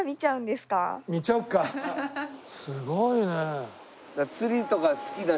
すごいね。